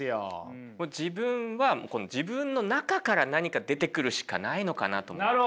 自分は自分の中から何か出てくるしかないのかなと思って。